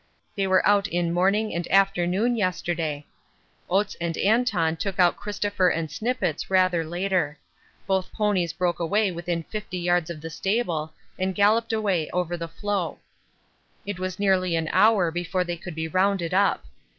They were out in morning and afternoon yesterday. Oates and Anton took out Christopher and Snippets rather later. Both ponies broke away within 50 yards of the stable and galloped away over the floe. It was nearly an hour before they could be rounded up.